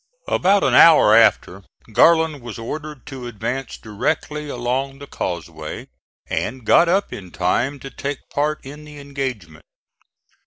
About an hour after, Garland was ordered to advance directly along the causeway, and got up in time to take part in the engagement.